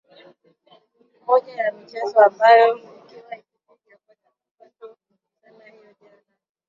moja ya michezo ambayo ikuwa ikipiga upato sana hiyo jana